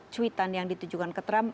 cuitan yang ditujukan ke trump